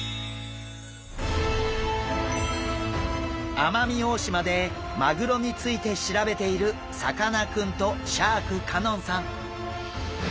奄美大島でマグロについて調べているさかなクンとシャーク香音さん。